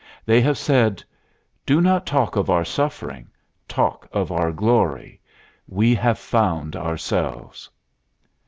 They have said: "Do not talk of our suffering; talk of our glory. We have found ourselves."